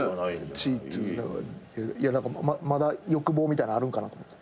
いや何かまだ欲望みたいなのあるんかなと。